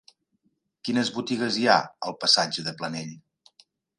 Quines botigues hi ha al passatge de Planell?